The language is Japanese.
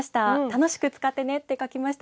楽しく使ってねと書きました。